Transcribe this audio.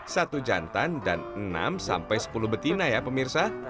satu jantan dan enam sampai sepuluh betina ya pemirsa